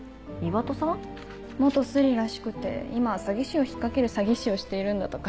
元スリらしくて今は詐欺師を引っ掛ける詐欺師をしているんだとか。